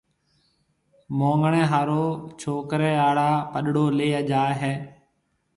مونگڻيَ ھارو ڇوڪرَي آݪا پڏݪو ليَ جائي ھيََََ